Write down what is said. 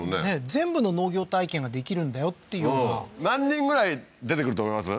全部の農業体験ができるんだよっていうような何人ぐらい出てくると思います？